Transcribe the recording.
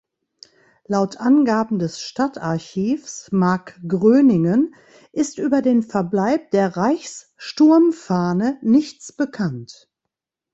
Laut Angaben des Stadtarchivs Markgröningen ist über den Verbleib der Reichssturmfahne nichts bekannt.